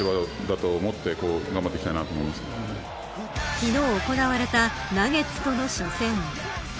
昨日行われたナゲッツとの初戦。